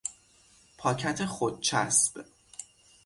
پاکت خودچسب